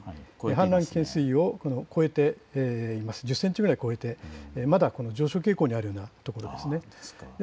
氾濫危険水位を１０センチぐらい超えてまだ上昇傾向にあるようなところです。